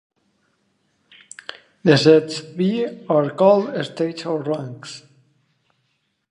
The sets "V" are called stages or ranks.